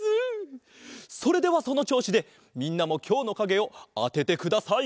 それではそのちょうしでみんなもきょうのかげをあててください。